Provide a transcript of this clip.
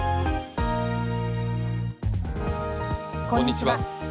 こんにちは。